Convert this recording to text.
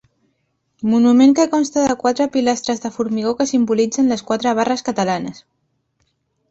Monument que consta de quatre pilastres de formigó que simbolitzen les quatre barres catalanes.